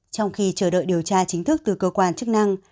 trong khi chờ đợi điều tra chính thức từ cơ quan chức năng